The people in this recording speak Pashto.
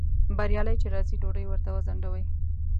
بریالی چې راځي ډوډۍ ورته وځنډوئ